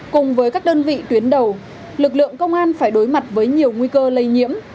cùng với các đơn vị tuyến đầu lực lượng công an phải đối mặt với nhiều nguy cơ lây nhiễm